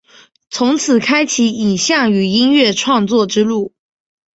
从此开启影像与音乐创作之路。